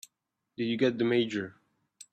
Did you get the Mayor?